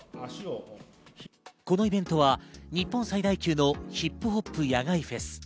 このイベントは日本最大級のヒップホップ野外フェス。